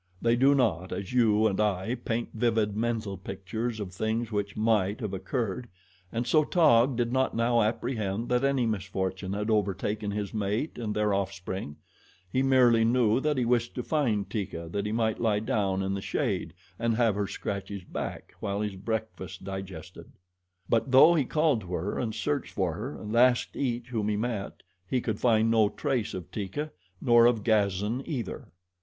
They do not, as you and I, paint vivid mental pictures of things which might have occurred, and so Taug did not now apprehend that any misfortune had overtaken his mate and their off spring he merely knew that he wished to find Teeka that he might lie down in the shade and have her scratch his back while his breakfast digested; but though he called to her and searched for her and asked each whom he met, he could find no trace of Teeka, nor of Gazan either.